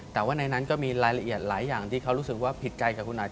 ดังนั้นก็มีรายละเอียดหลายอย่างที่เขารู้สึกว่าผิดใจกับคุณนาฬิกา